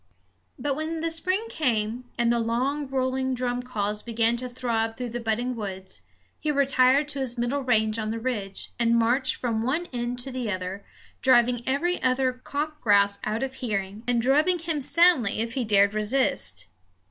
But when the spring came, and the long rolling drum calls began to throb through the budding woods, he retired to his middle range on the ridge, and marched from one end to the other, driving every other cock grouse out of hearing, and drubbing him soundly if he dared resist.